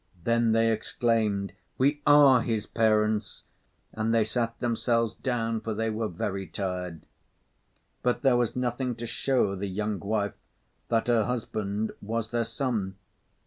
Then they exclaimed: "We are his parents!" and they sat themselves down, for they were very tired. But there was nothing to show the young wife that her husband was their son.